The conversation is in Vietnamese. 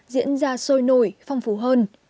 diễn ra sôi nổi phong phú hơn